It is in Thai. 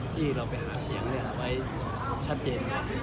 ที่เราไปหาเสียงไว้ชัดเจน